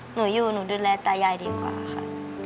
หนูอยู่หนูดูแลตายายดีกว่าค่ะ